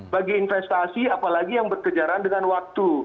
bagi investasi apalagi yang berkejaran dengan waktu